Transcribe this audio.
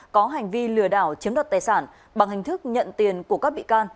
có hành vi lừa đảo chiếm đoạt tài sản bằng hình thức nhận tiền của các bị can